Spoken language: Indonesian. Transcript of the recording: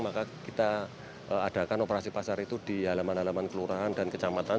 maka kita adakan operasi pasar itu di halaman halaman kelurahan dan kecamatan